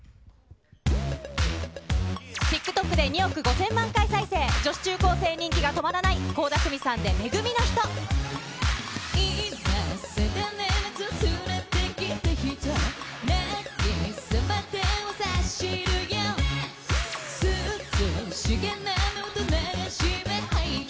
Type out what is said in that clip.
ＴｉｋＴｏｋで２億５０００万回再生、女子中高生人気が止まらない、倖田來未さんでめ組のひと。